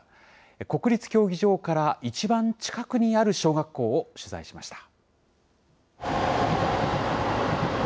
国立競技場から一番近くにある小学校を取材しました。